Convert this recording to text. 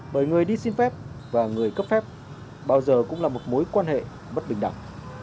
bởi người đi xin phép và người cấp phép bao giờ cũng là một mối quan hệ bất bình đẳng